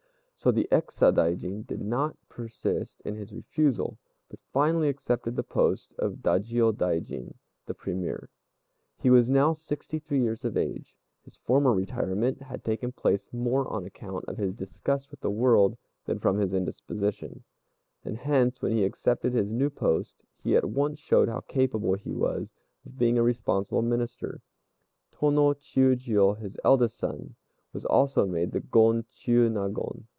So the ex Sadaijin did not persist in his refusal, but finally accepted the post of Dajiôdaijin (the Premier). He was now sixty three years of age. His former retirement had taken place more on account of his disgust with the world than from his indisposition, and hence, when he accepted his new post, he at once showed how capable he was of being a responsible Minister. Tô no Chiûjiô, his eldest son, was also made the Gon Chiûnagon.